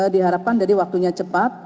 diharapkan dari waktunya cepat